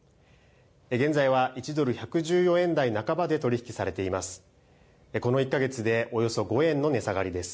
現在は１ドル１１４円台半ばで取り引きされています。